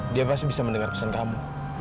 dia pasti bisa mendengar pesan kamu